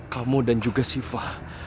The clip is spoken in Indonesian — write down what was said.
kamu dan juga syifa